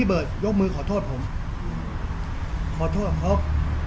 เขาหรอก่อนคอโทษผมผมกลับคอบ